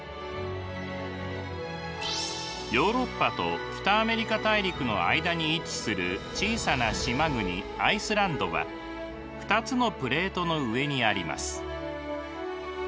ヨーロッパと北アメリカ大陸の間に位置する小さな島国アイスランドは２つのプレートの上にあります。